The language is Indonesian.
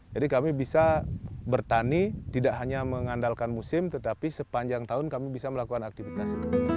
jadi kami bisa bertani tidak hanya mengandalkan musim tetapi sepanjang tahun kami bisa melakukan aktivitas